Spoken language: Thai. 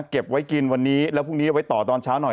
เก็บไว้กินวันนี้แล้วพรุ่งนี้เอาไว้ต่อตอนเช้าหน่อย